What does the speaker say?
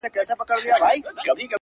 • قاضي صاحبه ملامت نه یم بچي وږي وه،